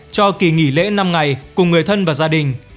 cho kỳ nghỉ lễ năm ngày cùng người thân và gia đình